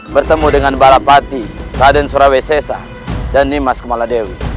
bertemu dengan barapati baden surawi sesa dan nimas kumaladewi